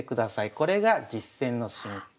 これが実戦の進行。